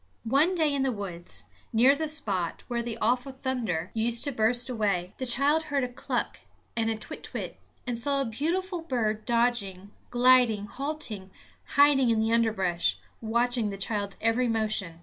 One day in the woods, near the spot where the awful thunder used to burst away, the child heard a cluck and a kwitkwit, and saw a beautiful bird dodging, gliding, halting, hiding in the underbrush, watching the child's every motion.